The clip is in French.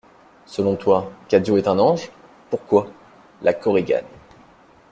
Selon toi, Cadio est un ange ? Pourquoi ? LA KORIGANE.